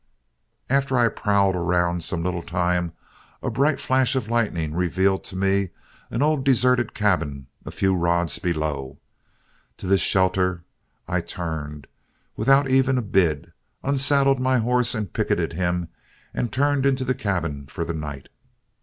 "After I'd prowled around some little time, a bright flash of lightning revealed to me an old deserted cabin a few rods below. To this shelter I turned without even a bid, unsaddled my horse and picketed him, and turned into the cabin for the night.